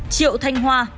triệu thanh hoa